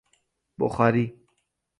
بخاری